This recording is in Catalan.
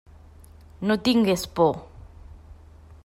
No tingues por.